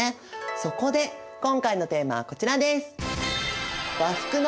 そこで今回のテーマはこちらです。